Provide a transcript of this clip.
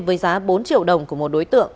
với giá bốn triệu đồng của một đối tượng